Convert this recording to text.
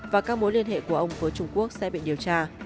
và các mối liên hệ của ông với trung quốc sẽ bị điều tra